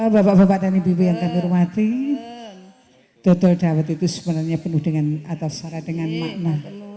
bapak bapak tani bibi yang saya hormati total dawet itu sebenarnya penuh dengan atau secara dengan makna